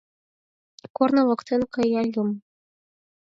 Корно воктен каялальым -